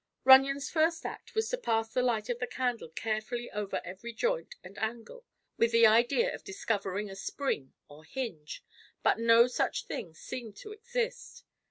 Runyon's first act was to pass the light of the candle carefully over every joint and edge, with the idea of discovering a spring or hinge. But no such thing seemed to exist.